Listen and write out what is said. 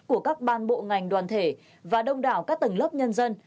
của các ban bộ ngành đoàn thể và đông đảo các tầng lớp nhân dân